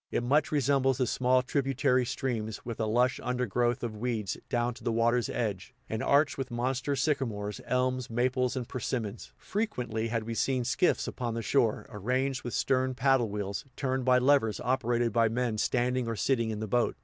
It much resembles the small tributary streams, with a lush undergrowth of weeds down to the water's edge, and arched with monster sycamores, elms, maples and persimmons. Frequently had we seen skiffs upon the shore, arranged with stern paddle wheels, turned by levers operated by men standing or sitting in the boat.